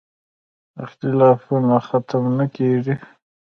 اختلافونه ختم نه کېږي.